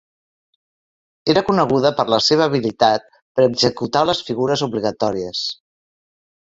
Era coneguda per la seva habilitat per executar les figures obligatòries.